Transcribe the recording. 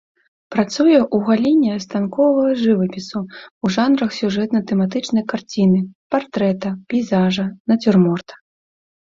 Працуе ў галіне станковага жывапісу, у жанрах сюжэтна-тэматычнай карціны, партрэта, пейзажа, нацюрморта.